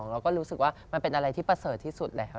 เราก็รู้สึกว่ามันเป็นอะไรที่ประเสริฐที่สุดแล้ว